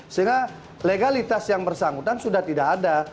sehingga legalitas yang bersangkutan sudah tidak ada